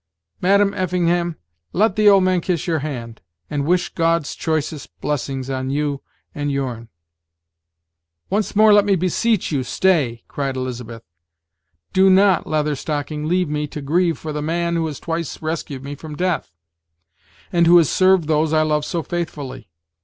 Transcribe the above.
Madam Effingham, let an old man kiss your hand, and wish God's choicest blessings on you and your'n." "Once more let me beseech you, stay!" cried Elizabeth. "Do not, Leather Stocking, leave me to grieve for the man who has twice rescued me from death, and who has served those I love so faithfully.